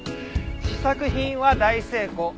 試作品は大成功。